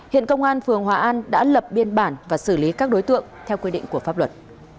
hiện công an phường hòa an đã lập biên bản và xử lý các đối tượng theo quy định của pháp luật